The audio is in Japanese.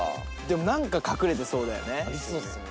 何か隠れてそうだよね。